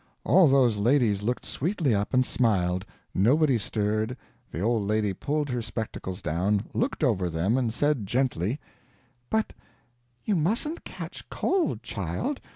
All those ladies looked sweetly up and smiled, nobody stirred, the old lady pulled her spectacles down, looked over them, and said, gently: "But you mustn't catch cold, child.